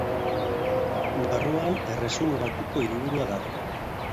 Barruan Erresuma Batuko hiriburua dago.